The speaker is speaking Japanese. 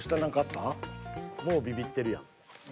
もうビビってるやん。